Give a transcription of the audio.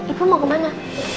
ibu mau kemana